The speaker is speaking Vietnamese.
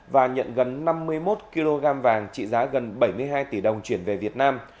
và nhận gần năm mươi một kg vàng trị giá gần bảy mươi hai tỷ đồng chuyển về việt nam